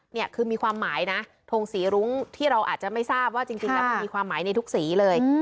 นี่คือมีความหมายนะทงสีรุ้งที่เราอาจจะไม่ทราบว่าจริงแล้วมันมีความหมายในทุกสีเลย